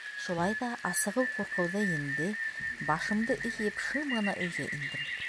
Шулай ҙа асығыу ҡурҡыуҙы енде, башымды эйеп, шым ғына өйгә индем.